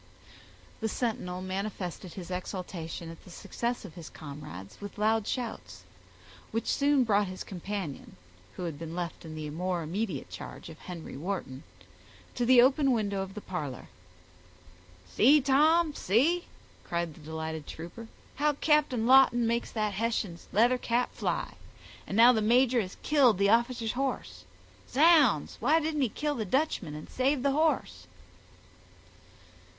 The sentinel manifested his exultation at the success of his comrades with loud shouts, which soon brought his companion, who had been left in the more immediate charge of Henry Wharton, to the open window of the parlor. "See, Tom, see," cried the delighted trooper, "how Captain Lawton makes that Hessian's leather cap fly; and now the major has killed the officer's horse—zounds, why didn't he kill the Dutchman and save the horse?"